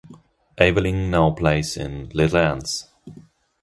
Aveling now plays in Littl'ans.